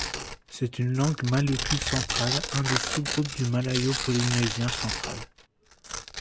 C'est une langue maluku central, un des sous-groupes du malayo-polynésien central.